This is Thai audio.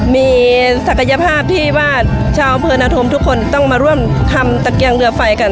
มีศักยภาพที่ว่าชาวอำเภอนาธมทุกคนต้องมาร่วมทำตะเกียงเรือไฟกัน